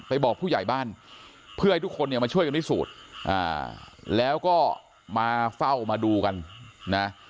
ไปบอกผู้ใหญ่บ้านเพื่อให้ทุกคนมาช่วยกันที่สุดแล้วก็มาเฝ้ามาดูกันนะ